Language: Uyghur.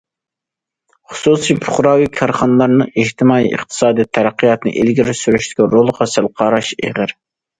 خۇسۇسىي، پۇقراۋى كارخانىلارنىڭ ئىجتىمائىي، ئىقتىسادىي تەرەققىياتنى ئىلگىرى سۈرۈشتىكى رولىغا سەل قاراش ئېغىر.